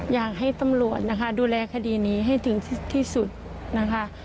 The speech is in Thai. อยากให้ตำรวจนะคะดูแลคดีนี้ให้ถึงที่สุดนะคะ